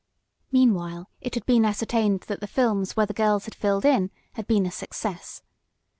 Meanwhile it had been ascertained that the films where the girls filled in had been a success.